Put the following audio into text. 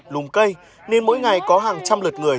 lùm cây nên mỗi ngày có hàng trăm lượt người